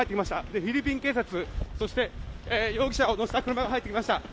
フィリピン警察そして容疑者を乗せた車が入ってきました。